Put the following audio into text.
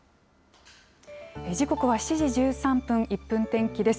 時刻は７時１３分、１分天気です。